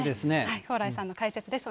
蓬莱さんの解説です。